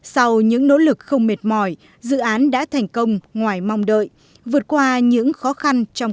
sau những nỗ lực không mệt mỏi dự án đã thành công ngoài mong đợi vượt qua những khó khăn trong